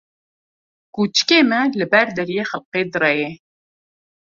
Kuçikê me li ber deriyê xelkê direye.